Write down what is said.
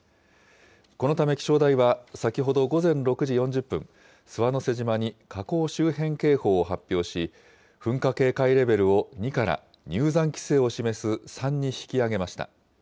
このため、気象台は先ほど午前６時４０分、諏訪之瀬島に火口周辺警報を発表し、噴火警戒レベルを２から入山規制を示す３に引き上げました。